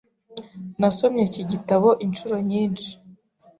Nasomye iki gitabo inshuro nyinshi.